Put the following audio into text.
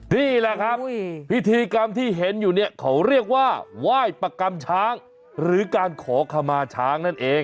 นี่แหละครับพิธีกรรมที่เห็นอยู่เนี่ยเขาเรียกว่าไหว้ประกำช้างหรือการขอขมาช้างนั่นเอง